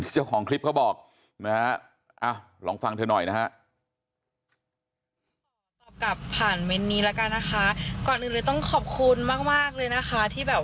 เจ้าของคลิปเขาบอกลองฟังเธอหน่อยนะครับ